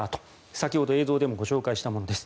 先ほど映像でもご紹介したものです。